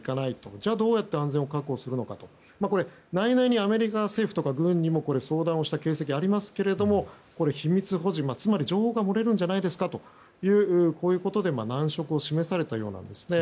じゃあ、どうやって安全を確保するのかと内々にアメリカの政府と軍にも相談した形跡はありますけど秘密保持、情報が漏れるんじゃないですかということで難色を示されたようです。